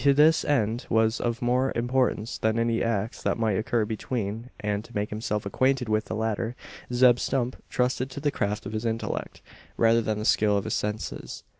This end was of more importance than any acts that might occur between; and, to make himself acquainted with the latter, Zeb Stump trusted to the craft of his intellect, rather than the skill of his senses.